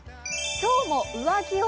「今日も上着を」。